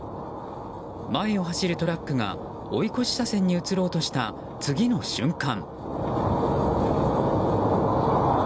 前を走るトラックが追い越し車線に移ろうとした次の瞬間。